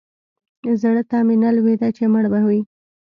زړه ته مې نه لوېده چې مړ به وي.